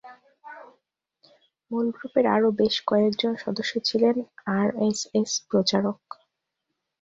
মূল গ্রুপের আরও বেশ কয়েকজন সদস্য ছিলেন আরএসএস প্রচারক।